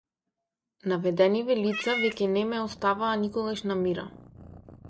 Наведениве лица веќе не ме оставаа никогаш на мира.